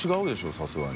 さすがに。